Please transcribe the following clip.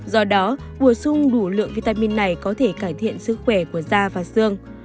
do đó bổ sung đủ lượng vitamin này có thể cải thiện sức khỏe của da và xương